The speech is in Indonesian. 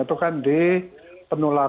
itu kan bukan di ekonomi ya persoalan